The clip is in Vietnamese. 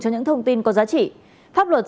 cho những thông tin có giá trị pháp luật